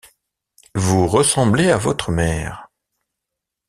Vous ressemblez à votre mère.